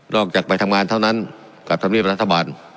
อกจากไปทำงานเท่านั้นกับธรรมเนียบรัฐบาล